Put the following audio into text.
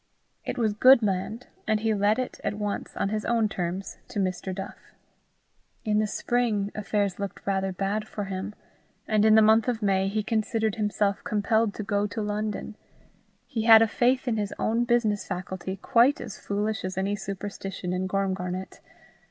It was good land, and he let it at once, on his own terms, to Mr. Duff. In the spring, affairs looked rather bad for him, and in the month of May, he considered himself compelled to go to London: he had a faith in his own business faculty quite as foolish as any superstition in Gormgarnet.